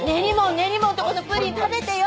練り物とこのプリン食べてよ。